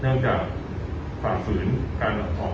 เนื่องจากขวามฝืนการระทบกับ